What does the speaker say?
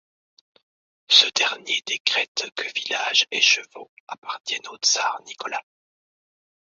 Ce dernier décrète que village et chevaux appartiennent au Tsar Nicolas.